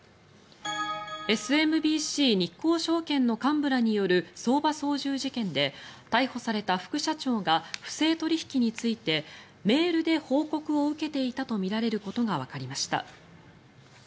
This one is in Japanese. ＳＭＢＣ日興証券の幹部らによる相場操縦事件で逮捕された副社長が不正取引についてメールで報告を受けていたとみられることがわかりました。